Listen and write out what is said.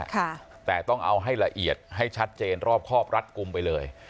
ค่ะแต่ต้องเอาให้ละเอียดให้ชัดเจนรอบครอบรัดกลุ่มไปเลย